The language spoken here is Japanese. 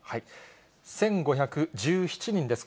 １５１７人です。